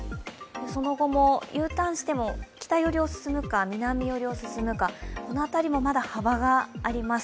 その後もＵターンしても北寄りを進むか、南寄りを進むか、この辺りもまだ幅があります。